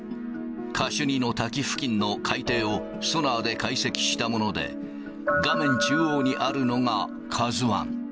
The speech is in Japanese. カシュニの滝付近の海底をソナーで解析したもので、画面中央にあるのがカズワン。